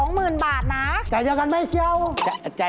๒หมื่นบาทนะ